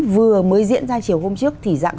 vừa mới diễn ra chiều hôm trước thì dặn